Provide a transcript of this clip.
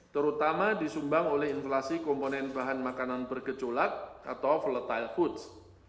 terutama disumbang oleh inflasi komponen bahan makanan bergejolak atau volatile foods